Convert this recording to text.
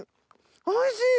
おいしい！